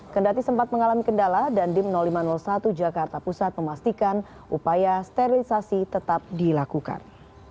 kendati sempat mengalami kendala dandim lima ratus satu jakarta pusat memastikan upaya sterilisasi tetap dilakukan